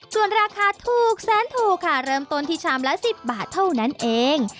ส่วนราคาถูกแสนถูกค่ะเริ่มต้นที่ชามละ๑๐บาทเท่านั้นเอง